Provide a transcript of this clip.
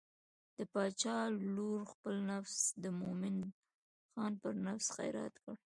د باچا لور خپل نفس د مومن خان پر نفس خیرات کړ.